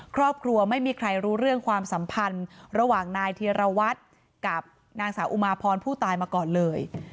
ครอบครัวไม่มีใครรู้เรื่องความสัมพันธ์ระหว่างนายธีรวัตรกับนางสาวอุมาพรผู้ตายมาก่อนเลย